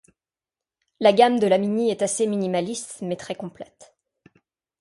La gamme de la Mini est assez minimaliste mais très complète.